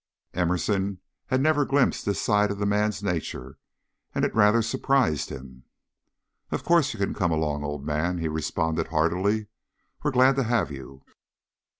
Emerson had never glimpsed this side of the man's nature, and it rather surprised him. "Of course you can come along, old man," he responded, heartily. "We're glad to have you."